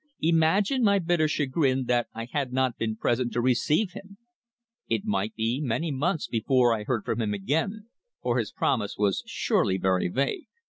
Imagine my bitter chagrin that I had not been present to receive him! It might be many months before I heard from him again, for his promise was surely very vague.